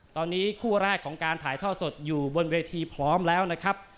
ตอนนี้คู่แรกของการถ่ายท่อสดอยู่บนเวทีพร้อมแล้วนะครับ